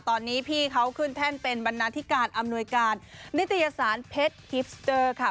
ตอนนี้พี่เขาขึ้นแท่นเป็นบรรณาธิการอำนวยการนิตยสารเพชรฮิปสเตอร์ค่ะ